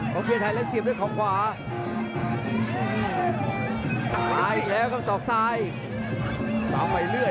ต่างไปเรื่อยต้องกดแขนปั๊ดแขนอีกอยู่